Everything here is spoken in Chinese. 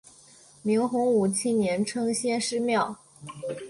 明洪武七年称先师庙。